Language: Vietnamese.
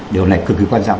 điều này cực kỳ quan trọng